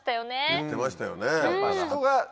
言ってましたよね。